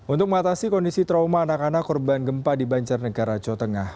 untuk mengatasi kondisi trauma anak anak korban gempa di banjarnegara jawa tengah